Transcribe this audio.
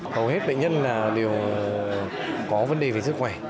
hầu hết bệnh nhân đều có vấn đề về sức khỏe